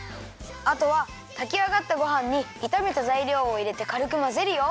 あとはたきあがったごはんにいためたざいりょうをいれてかるくまぜるよ。